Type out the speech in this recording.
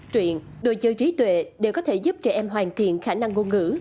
truyền đồ chơi trí tuệ để có thể giúp trẻ em hoàn thiện khả năng ngôn ngữ